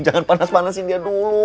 jangan panas panasin dia dulu